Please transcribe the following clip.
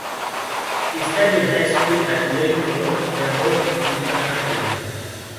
He studied high school at Leoncio Prado Military Academy.